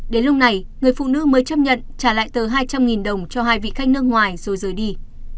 đến lúc này người phụ nữ mới chấp nhận trả lại từ hai trăm linh đồng cho hai vị khách nước ngoài rồi rời đi